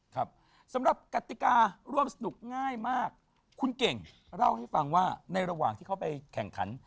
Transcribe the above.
ครับสำหรับกติการ่วมสนุกง่ายมากคุณเก่งเล่าให้ฟังว่าในระหว่างที่เขาไปแข่งขัน